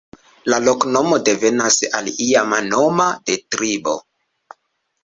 La loknomo devenas el iama nomo de tribo.